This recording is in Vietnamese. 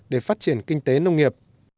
để phát triển kinh tế nông nghiệp